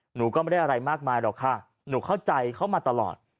หนูก็ไม่ได้อะไรมากมายหรอกค่ะหนูเข้าใจเขามาตลอด